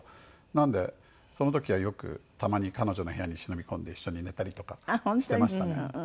なのでその時はよくたまに彼女の部屋に忍び込んで一緒に寝たりとかしていましたね。